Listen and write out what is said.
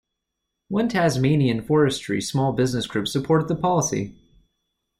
One Tasmanian forestry small business group supported the policy.